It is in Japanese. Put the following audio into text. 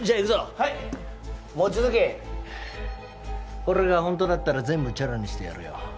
はい望月これがホントだったら全部チャラにしてやるよ